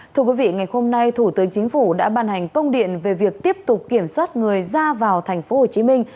thưa quý vị ngày hôm nay thủ tướng chính phủ đã ban hành công điện về việc tiếp tục kiểm soát người ra vào thành phố hồ chí minh